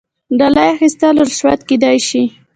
ډالۍ اخیستل رشوت کیدی شي